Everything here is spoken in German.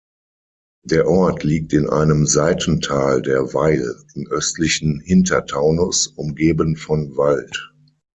Der Ort liegt in einem Seitental der Weil im östlichen Hintertaunus, umgeben von Wald.